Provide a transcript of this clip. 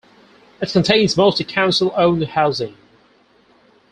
It contains mostly council-owned housing.